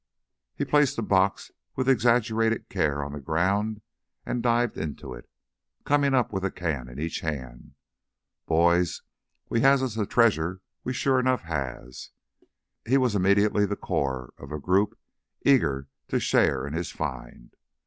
He placed the box with exaggerated care on the ground and dived into it, coming up with a can in each hand. "Boys, we has us a treasure; we sure enough has!" He was immediately the core of a group eager to share in his find.